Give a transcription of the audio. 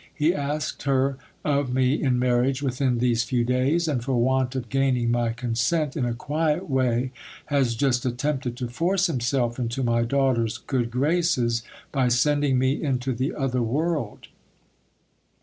He asked her of me in marriage within these few days ; and for want of gaining my consent in a quiet way, has just attempted to force himself into my daughter's good graces, by sending me into the other world.